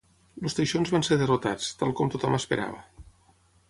Els teixons van ser derrotats, tal com tothom esperava.